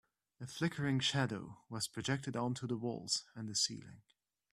A flickering shadow was projected onto the walls and the ceiling.